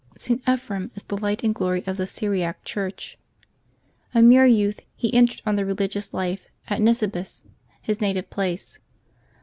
[t. Ephrem is the light and glory of the Syriac Church. A mere youth, he entered on the religious life at Nisi bie, his native place.